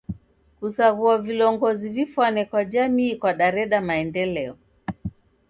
Kusaghua vilongozi vifwane kwa jamii kwadareda maendeleo.